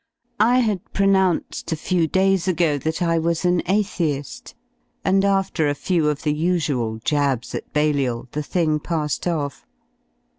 I had ^ pronounced a few days ago that I was an athei^, and after a few of the usual jabs at Balliol the thing passed off.